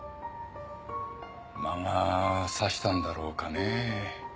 魔が差したんだろうかね。